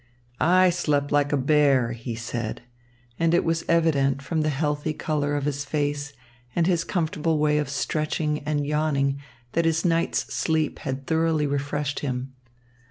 "I slept like a bear," he said. And it was evident from the healthy colour of his face and his comfortable way of stretching and yawning that his night's sleep had thoroughly refreshed him.